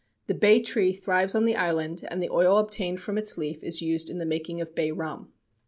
The bay tree thrives on the island, and the oil obtained from its leaf is used in the making of bay rum.